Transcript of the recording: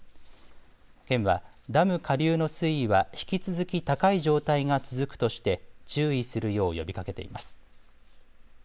県はダム下流の水位は引き続き高い状態が続くとして注意するよう呼びかけています。